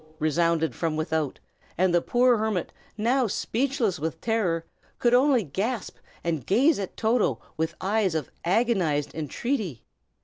resounded from without; and the poor hermit, now speechless with terror, could only gasp, and gaze at Toto with eyes of agonized entreaty.